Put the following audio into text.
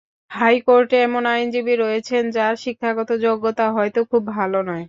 হাইকোর্টে এমন আইনজীবী রয়েছেন, যাঁর শিক্ষাগত যোগ্যতা হয়তো খুব ভালো নয়।